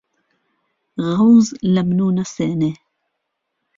غهوز له منۆ نهسێنێ